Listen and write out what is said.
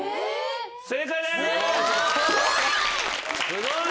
・すごーい！